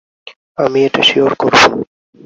আমি এটা শিওর করব।